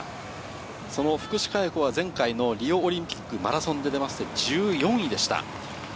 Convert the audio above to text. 福士加代子は前回のリオオリンピック、マラソンで出て１４位でした。